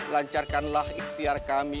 lancarkanlah ikhtiar kami